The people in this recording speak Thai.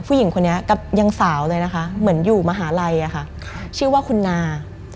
ผู้หญิงคนนี้กับยังสาวเลยนะคะเหมือนอยู่มหาลัยอะค่ะชื่อว่าคุณนา